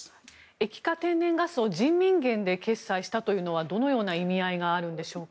液化天然ガスを人民元で決裁したのはどのような意味があるんでしょうか。